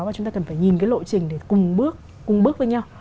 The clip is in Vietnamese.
và chúng ta cần phải nhìn cái lộ trình để cùng bước với nhau